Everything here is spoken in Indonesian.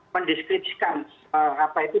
mendeskripsikan apa itu